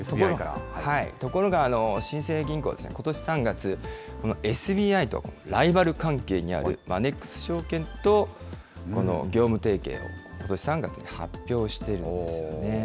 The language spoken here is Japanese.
ところが、新生銀行はことし３月、このＳＢＩとライバル関係にあるマネックス証券と業務提携をことし３月に発表してるんですよね。